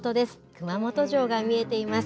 熊本城が見えています。